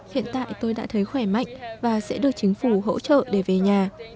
hiện tại tôi đã thấy khỏe mạnh và sẽ được chính phủ hỗ trợ để về nhà